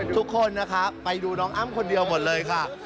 ทุกคนนะคะไปดูน้องอ้ำคนเดียวหมดเลยค่ะ